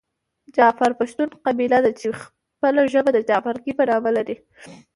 جعفر پښتون قبیله ده چې خپله ژبه د جعفرکي په نامه لري .